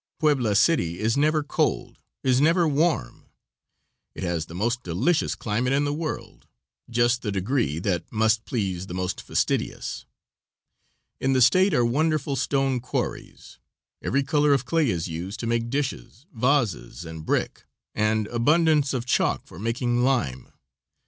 Puebla City is never cold, is never warm; it has the most delicious climate in the world, just the degree that must please the most fastidious. In the State are wonderful stone quarries. Every color of clay is used to make dishes, vases, and brick, and abundance of chalk for making lime.